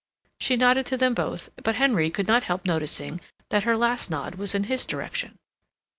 She nodded to them both, but Henry could not help noticing that her last nod was in his direction.